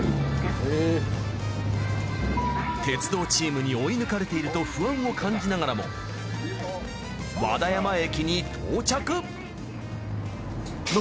鉄道チームに追い抜かれていると不安を感じながらも和田山駅に到着。